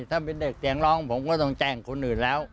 ถ้าเป็นเด็กเสียงร้องผมก็ต้องแจ้งคนอื่นแล้ว